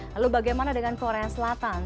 lalu bagaimana dengan korea selatan